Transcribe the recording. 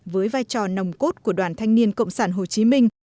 với vai trò nồng cốt của đoàn thanh niên cộng sản hồ chí minh